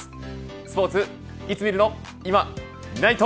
スポーツいつ見るのいまみないと。